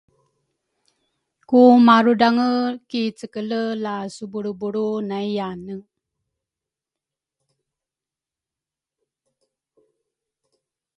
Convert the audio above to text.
Ku marudrange ki cekele la subulrubulru nayyane